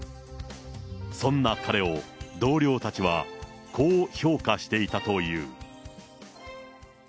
そんな彼を同僚たちは、こう評価していたという。